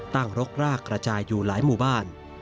รกรากกระจายอยู่หลายหมู่บ้าน